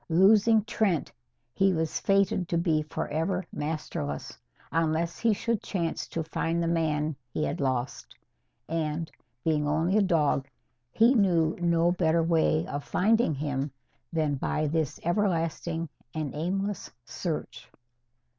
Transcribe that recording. Losing Trent, he was fated to be forever masterless, unless he should chance to find the man he had lost. And, being only a dog, he knew no better way of finding him than by this everlasting and aimless search.